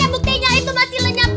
buktinya itu masih lenyap